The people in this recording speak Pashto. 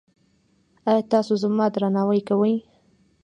ایا تاسو زما درناوی کوئ؟